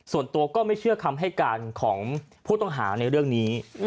ส่วนตัวก็ไม่เชื่อคำให้การของผู้ต้องหาในเรื่องนี้